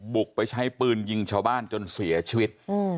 บุกไปใช้ปืนยิงชาวบ้านจนเสียชีวิต